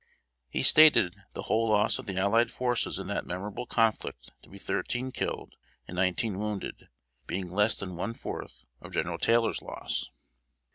He stated the whole loss of the allied forces in that memorable conflict to be thirteen killed and nineteen wounded, being less than one fourth of General Taylor's loss.